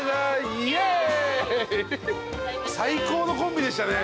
最高のコンビでしたね。